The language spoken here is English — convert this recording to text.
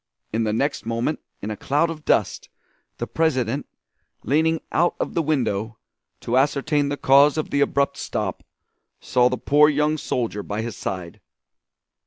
In the next moment, in a cloud of dust, the President, leaning out of the window, to ascertain the cause of the abrupt stop, saw the poor young soldier by his side.